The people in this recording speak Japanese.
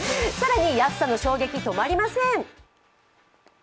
更に安さの衝撃、止まりません。